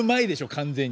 完全に。